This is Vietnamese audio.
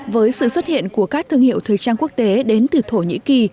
với sự xuất hiện của các thương hiệu thời trang quốc tế đến từ thổ nhĩ kỳ